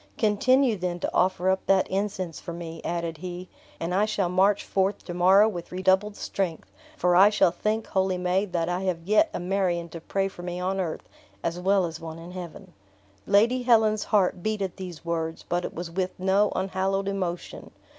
Continue, then, to offer up that incense for me," added he, "and I shall march forth to morrow with redoubled strength; for I shall think, holy maid, that I have yet a Marion to pray for me on earth as well as one in heaven." Lady Helen's heart beat at these words, but it was with no unhallowed emotion.